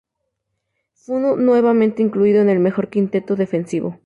Fue nuevamente incluido en el mejor quinteto defensivo.